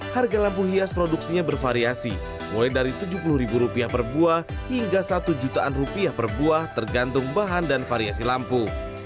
harga lampu hias produksinya bervariasi mulai dari rp tujuh puluh ribu rupiah per buah hingga satu jutaan rupiah per buah tergantung bahan dan variasi lampu